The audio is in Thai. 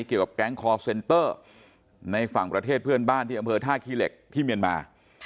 เกี่ยวกับแก๊งคอร์เซนเตอร์ในฝั่งประเทศเพื่อนบ้านที่อำเภอท่าขี้เหล็กที่เมียนมา